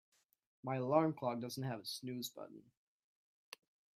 My alarm clock doesn't have a snooze button.